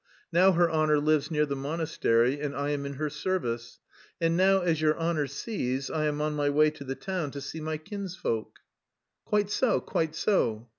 Now her honour lives near the monastery, and I am in her service. And now as your honour sees, I am on my way to the town to see my kinsfolk." "Quite so, quite so."